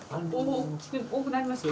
多くなりますよね。